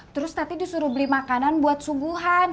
terus tadi disuruh beli makanan buat subuhan